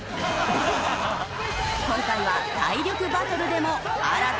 今回は体力バトルでも新たな名勝負が！